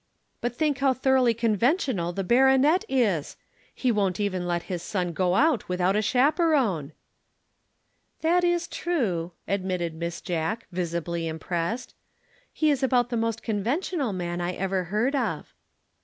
"But think how thoroughly conventional the baronet is! He won't even let his son go out without a chaperon." "That is true," admitted Miss Jack, visibly impressed. "He is about the most conventional man I ever heard of."